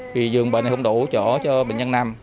vì giường bệnh không đủ chỗ cho bệnh nhân nằm